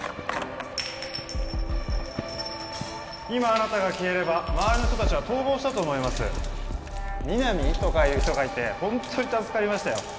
今あなたが消えれば周りの人達は逃亡したと思います皆実とかいう人がいてホントに助かりましたよ